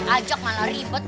ajak malah ribet